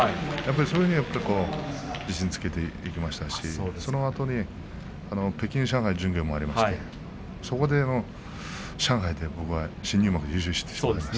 そういうふうに自信をつけていきましたしそのあとに北京上海巡業もあってそこで上海で新入幕で優勝しています。